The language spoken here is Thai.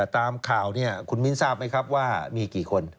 ตามข่าวเนี่ยคุณมิ้นทราบไหมครับว่ามีกี่คน